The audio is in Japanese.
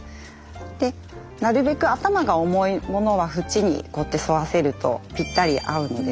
でなるべく頭が重いモノは縁にこうやって沿わせるとぴったり合うので。